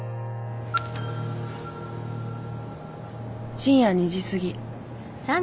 深夜２時過ぎ。